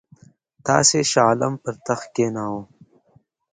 تاسي شاه عالم پر تخت کښېناوه.